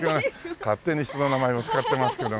勝手に人の名前を使ってますけどね。